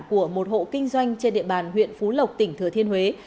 của một hộ kinh doanh trên địa bàn huyện phú lộc tỉnh thừa thiên huế